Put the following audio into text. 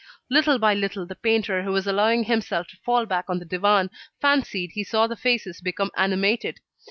Little by little, the painter, who was allowing himself to fall back on the divan, fancied he saw the faces become animated.